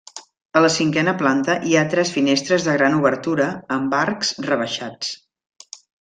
A la cinquena planta hi ha tres finestres de gran obertura amb arcs rebaixats.